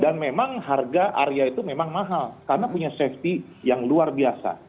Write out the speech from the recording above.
dan memang harga area itu memang mahal karena punya safety yang luar biasa